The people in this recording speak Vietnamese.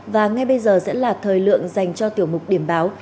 và ngay bây giờ sẽ là thời lượng dành cho tiểu mục điểm báo